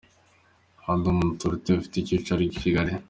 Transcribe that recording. Hamadoun Touré, ifite icyicaro i Kigali .